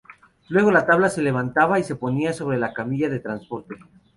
Luego la tabla se levantaba y se ponía sobre la camilla de transporte.